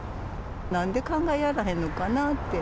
なんで考えやらへんのかなって。